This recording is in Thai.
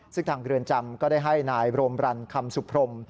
ซึ่งทางเรือนจำก็ได้ให้นายโรมรันคำสุพรม